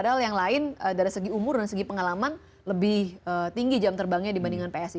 padahal yang lain dari segi umur dan segi pengalaman lebih tinggi jam terbangnya dibandingkan psi